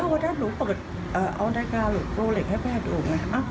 พอแด้วหนูเปิดเอาได้ค้าโรเล็กให้แหลกดูไหม